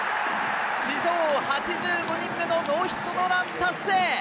史上８５人目のノーヒットノーラン達成！